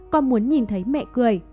con muốn nhìn thấy mẹ cười